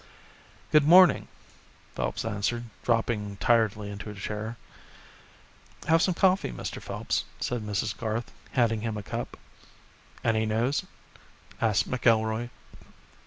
"Good morning," Phelps answered, dropping tiredly into a chair. "Have some coffee, Mr. Phelps," said Mrs. Garth, handing him a cup. "Any news?" asked McIlroy.